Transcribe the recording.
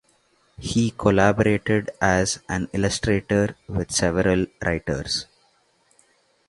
He collaborated as an illustrator with several writers.